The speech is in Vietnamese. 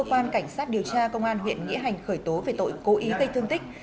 cơ quan cảnh sát điều tra công an huyện nghĩa hành khởi tố về tội cố ý gây thương tích